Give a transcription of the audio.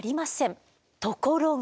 ところが。